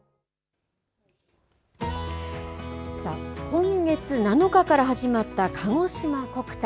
今月７日から始まったかごしま国体。